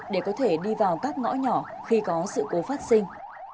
để có thể đi vào các ngõ nhỏ khi có sự cố phát sinh